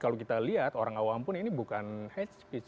kalau kita lihat orang awam pun ini bukan hate speech